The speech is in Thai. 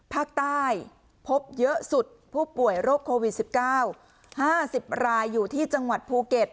ภาคใต้พบเยอะสุดผู้ป่วยโรคโควิด๑๙๕๐รายอยู่ที่จังหวัดภูเก็ต